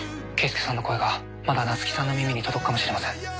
「圭介さんの声がまだ夏希さんの耳に届くかもしれません」